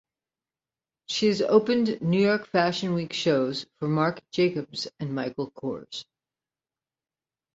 She has opened New York Fashion Week shows for Marc Jacobs and Michael Kors.